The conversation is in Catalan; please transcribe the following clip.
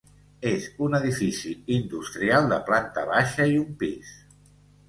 És un edifici industrial de planta baixa i un pis.